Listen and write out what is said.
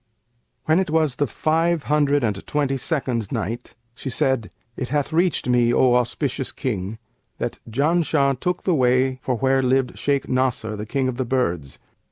When it was the Five Hundred and Twenty second Night, She said, It hath reached me, O auspicious King, that "Janshah took the way for where lived Shaykh Nasr, the King of the Birds.